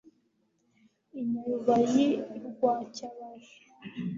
I Nyarubayi rwa Cyabaja.